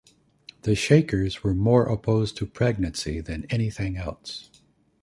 The Shakers were more opposed to pregnancy than anything else.